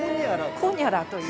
◆コニャラという。